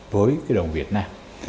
với cái đồng việt nam